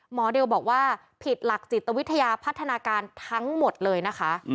เดลบอกว่าผิดหลักจิตวิทยาพัฒนาการทั้งหมดเลยนะคะ